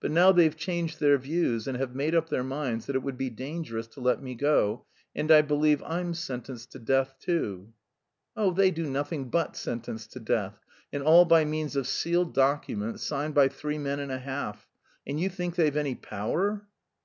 But now they've changed their views, and have made up their minds that it would be dangerous to let me go, and I believe I'm sentenced to death too." "Oh, they do nothing but sentence to death, and all by means of sealed documents, signed by three men and a half. And you think they've any power!"